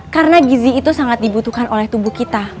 karena gizi itu sangat dibutuhkan oleh tubuh kita